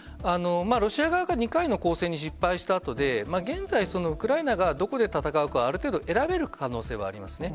ロシア側が２回の攻勢に失敗したあとで、現在、ウクライナがどこで戦うか、ある程度選べる可能性はありますね。